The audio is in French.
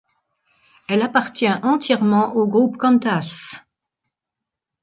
Elle appartient entièrement au groupe Qantas.